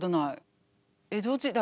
江戸時代。